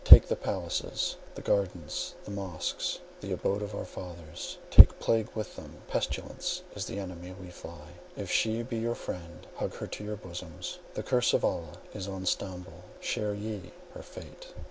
take the palaces, the gardens, the mosques, the abode of our fathers—take plague with them; pestilence is the enemy we fly; if she be your friend, hug her to your bosoms. The curse of Allah is on Stamboul, share ye her fate."